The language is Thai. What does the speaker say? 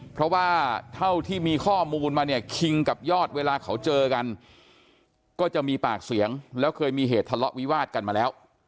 เพราะว่าเท่าที่มีข้อมูลมาเนี่ยคิงกับยอดเวลาเขาเจอกันก็จะมีปากเสียงแล้วเคยมีเหตุทะเลาะวิวาดกันมาแล้ว